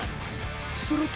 すると。